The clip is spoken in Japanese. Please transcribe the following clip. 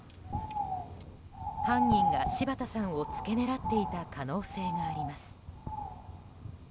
犯人が柴田さんを付け狙っていた可能性があります。